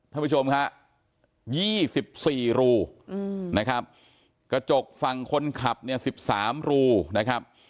ท่านผู้ชมครับ๒๔รูนะครับกระจกฝั่งคนขับเนี่ย๑๓รูนะครับ